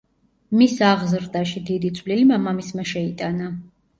მის აღზრდაში დიდი წვლილი მამამისმა შეიტანა.